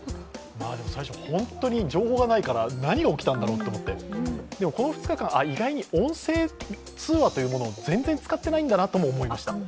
最初、本当に情報がないから何が起きたんだろうと思って、でもこの２日間、意外に音声通話というものを全然使っていないんだなと思いました。